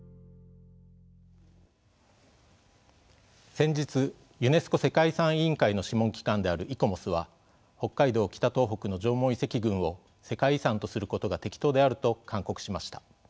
先日ユネスコ世界遺産委員会の諮問機関であるイコモスは北海道・北東北の縄文遺跡群を世界遺産とすることが適当であると勧告しました。